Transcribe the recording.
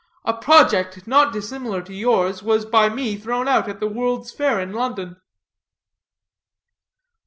A project, not dissimilar to yours, was by me thrown out at the World's Fair in London."